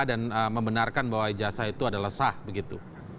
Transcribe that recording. dan membenarkan bahwa ijazah itu adalah sah begitu